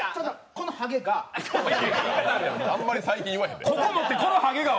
このハゲがあんまり最近言わへんで。